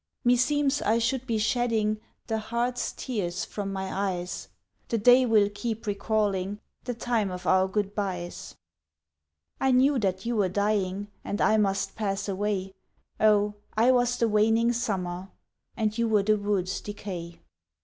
Meseems I should be shedding The heart's tears from my eyes, The day will keep recalling The time of our good byes: I knew that you were dying And I must pass away, Oh I was the waning summer, And you were the wood's decay.